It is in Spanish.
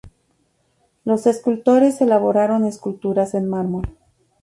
Los escultores elaboraron esculturas en mármol.